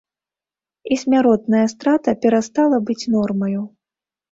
І смяротная страта перастала быць нормаю.